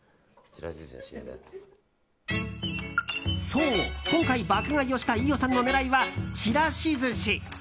そう、今回爆買いをした飯尾さんの狙いはちらし寿司。